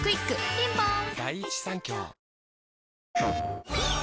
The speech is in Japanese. ピンポーン